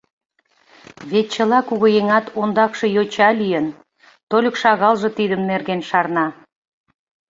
Вет чыла кугыеҥат ондакше йоча лийын, тольык шагалже тидын нерген шарна.